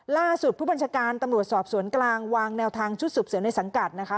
ล่าสุดผู้บัญชาการตำรวจสอบสวนกลางวางแนวทางชุดสืบสวนในสังกัดนะคะ